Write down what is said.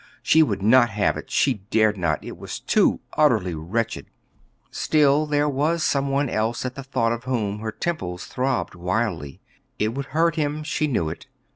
She would not have it; she dared not; it was too utterly wretched. Still, there was some one else at the thought of whom her temples throbbed wildly. It would hurt him; she knew it.